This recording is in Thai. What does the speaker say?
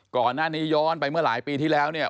ก่อนหน้านี้ย้อนไปเมื่อหลายปีที่แล้วเนี่ย